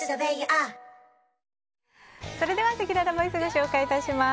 それでは、せきららボイスをご紹介します。